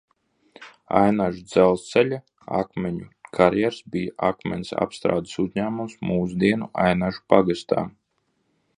Ainažu dzelzceļa akmeņu karjers bija akmens apstrādes uzņēmums mūsdienu Ainažu pagastā.